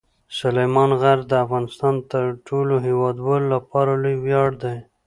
سلیمان غر د افغانستان د ټولو هیوادوالو لپاره لوی ویاړ دی.